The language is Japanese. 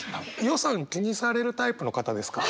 予算気にされるタイプの方ですか？